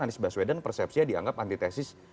anies baswedan persepsi dianggap anti tesis